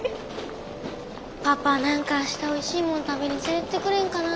パパ何か明日おいしいもん食べに連れてってくれんかな。